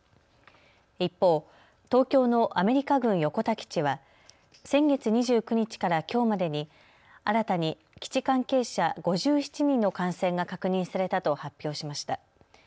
一方、東京のアメリカ軍横田基地は先月２９日からきょうまでに新たに基地関係者５７人の感染が確認されたと発表しました。